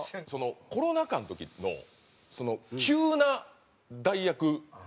コロナ禍の時の急な代役オファーね。